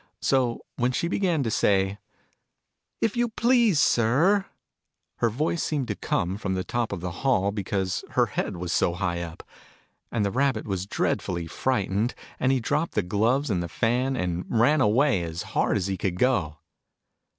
So, when she began to say "If you please, Sir " her voice seemed to come from the top of the hall, because her head was so high up. And the Rabbit was dreadfully frightened : and he dropped the gloves and the fan, and ran away as hard as he could go.